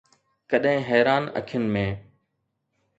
ڪڏهن حيران اکين ۾